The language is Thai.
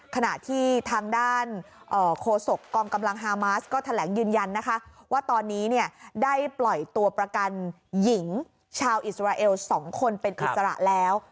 ขณะที่ทางด้านโคศกกองกำลังฮามาสก็แถลงยืนยันนะคะว่าตอนนี้ได้ปล่อยตัวประกันหญิงชาวอิสราเอล๒คนเป็นอิสระแล้ว